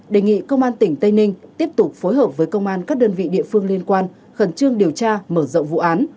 đề nghị công an tỉnh tây ninh tiếp tục phối hợp với công an các đơn vị địa phương liên quan khẩn trương điều tra mở rộng vụ án